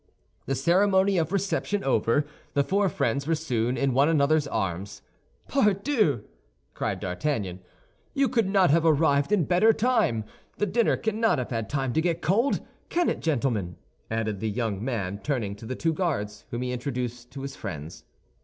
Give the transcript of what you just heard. The ceremony of reception over, the four friends were soon in one another's arms. "Pardieu!" cried D'Artagnan, "you could not have arrived in better time; the dinner cannot have had time to get cold! Can it, gentlemen?" added the young man, turning to the two Guards, whom he introduced to his friends.